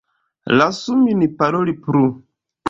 Lasu min paroli plu!